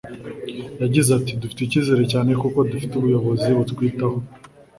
Yagize ati Dufite icyizere cyane kuko dufite ubuyobozi butwitaho